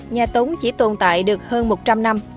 nhà tống chỉ tồn tại được hơn một trăm linh năm